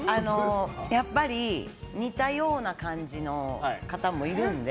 やっぱり似たような感じの方もいるので。